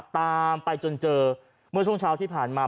ตามไปจนเจอเมื่อช่วงเช้าที่ผ่านมา